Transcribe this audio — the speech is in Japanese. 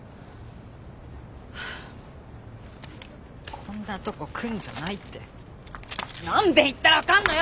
こんなとこ来んじゃないって何べん言ったら分かんのよ！